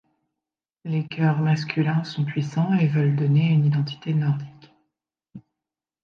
Les chœurs masculins sont puissants et veulent donner une identité nordique.